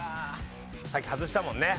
さっき外したもんね。